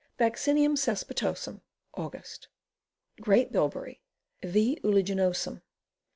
Vaccinium caespitosum. Aug. Great Bilberry. V. uliginosum.